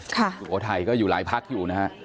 สุโขทัยก็อยู่หลายพักอยู่นะฮะ